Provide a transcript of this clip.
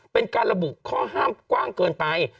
เป็นการระบุข้อห้ามกว้างเกินไป